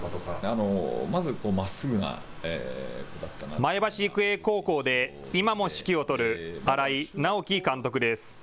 前橋育英高校で今も指揮を執る荒井直樹監督です。